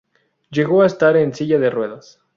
Llegó a estar en silla de ruedas.